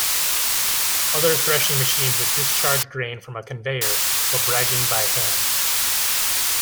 Other threshing machines would discharge grain from a conveyor, for bagging by hand.